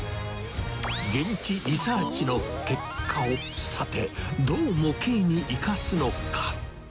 現地リサーチの結果を、さて、どう模型に生かすのか。